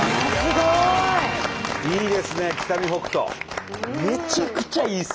いいですね北見北斗。